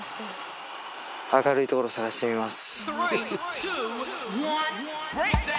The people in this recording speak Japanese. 明るい所探してみます